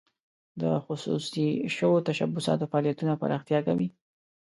د خصوصي شوو تشبثاتو فعالیتونه پراختیا کوي.